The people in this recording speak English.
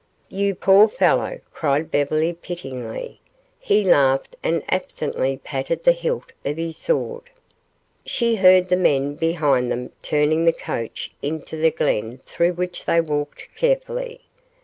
"You poor fellow," cried Beverly, pityingly. He laughed and absently patted the hilt of his sword. She heard the men behind them turning the coach into the glen through which they walked carefully.